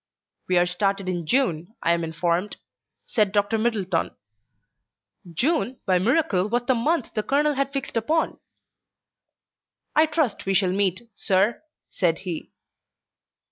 "We are started in June, I am informed," said Dr. Middleton. June, by miracle, was the month the colonel had fixed upon. "I trust we shall meet, sir," said he.